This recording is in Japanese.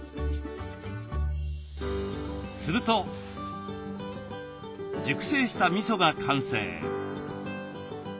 すると熟成したみそが完成。